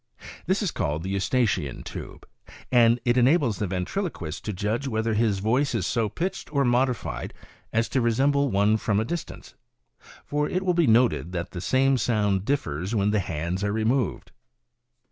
This is called the Eustachian tube, and it enables the ventriloquist to judge whether his voice is so pitched or modified as to resemble one from a distance — for it will be noted that the same sound differs when the hands are removed.